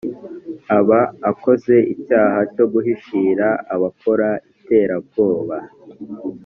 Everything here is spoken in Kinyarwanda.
aba akoze icyaha cyo guhishira abakora iterabwoba